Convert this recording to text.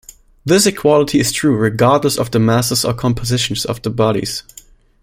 This equality is true regardless of the masses or compositions of the bodies.